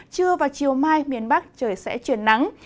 trưa và chiều mai miền bắc trời sẽ chuyển nắng